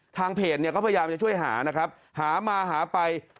ทางเพจเนี่ยก็พยายามจะช่วยหานะครับหามาหาไป